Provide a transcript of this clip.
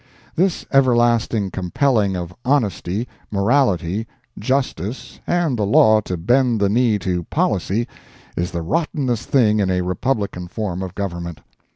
This everlasting compelling of honesty, morality, justice and the law to bend the knee to policy, is the rottenest thing in a republican form of government.